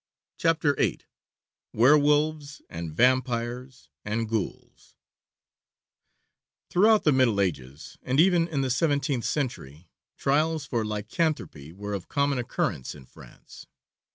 CHAPTER VIII WERWOLVES AND VAMPIRES AND GHOULS Throughout the Middle Ages, and even in the seventeenth century, trials for lycanthropy were of common occurrence in France.